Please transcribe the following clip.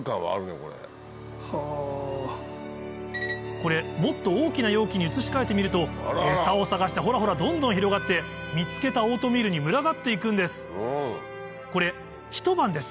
これもっと大きな容器に移し替えてみるとエサを探してほらほらどんどん広がって見つけたオートミールに群がって行くんですこれひと晩です